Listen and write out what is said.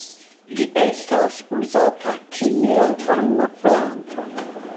Ĝi estas uzata kiel ornamplanto.